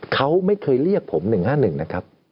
เขาไม่เคยเรียกผม๑๕๑นะครับ